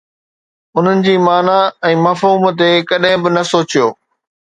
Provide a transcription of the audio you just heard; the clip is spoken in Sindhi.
ان جي معنيٰ ۽ مفهوم تي ڪڏهن به نه سوچيو